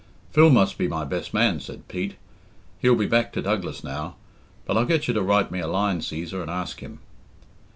"Phil must be my best man," said Pete. "He'll be back to Douglas now, but I'll get you to write me a line, Cæsar, and ask him."